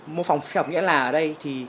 mô phòng sinh học nghĩa là